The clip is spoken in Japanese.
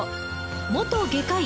元外科医！